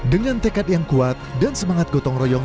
dengan tekad yang kuat dan semangat gotong royong